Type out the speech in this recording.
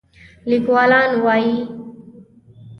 لیکوالان وايي